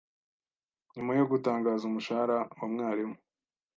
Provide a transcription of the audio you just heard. Nyuma yo gutangaza umushahara wa mwarimu